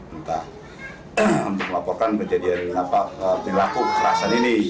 untuk melaporkan menjadi dari kenapa berlaku kekerasan ini